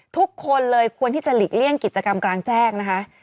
ทุกคนเลยควรที่จะหลีกเลี่ยงกิจกรรมกลางแจ้งนะคะ